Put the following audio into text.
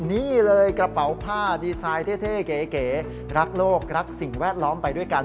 นี่เลยกระเป๋าผ้าดีไซน์เท่เก๋รักโลกรักสิ่งแวดล้อมไปด้วยกัน